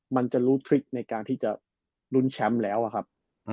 มันจะรู้ทริคในการที่จะลุ้นแชมป์แล้วอะครับ